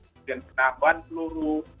kemudian penambahan peluru